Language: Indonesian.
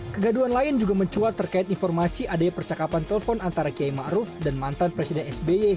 kegaduhan lain juga mencua terkait informasi adanya percakapan telepon antara kiyai maruf dan mantan presiden sby